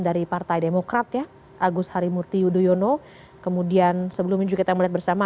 dari partai demokrat ya agus harimurti yudhoyono kemudian sebelumnya juga kita melihat bersama